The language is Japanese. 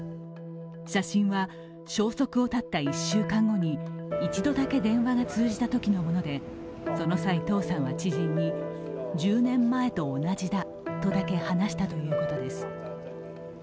写真は、消息を絶った１週間後に１度だけ電話が通じたときのものでその際、唐さんは知人に１０年前と同じだとだけ話したということです。